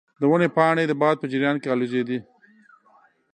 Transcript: د ونې پاڼې د باد په جریان کې الوزیدې.